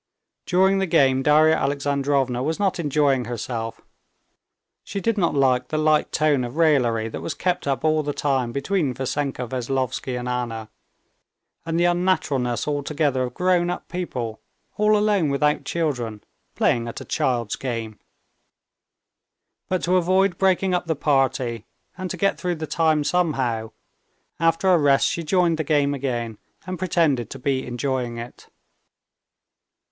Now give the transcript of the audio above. During the game Darya Alexandrovna was not enjoying herself. She did not like the light tone of raillery that was kept up all the time between Vassenka Veslovsky and Anna, and the unnaturalness altogether of grown up people, all alone without children, playing at a child's game. But to avoid breaking up the party and to get through the time somehow, after a rest she joined the game again, and pretended to be enjoying it.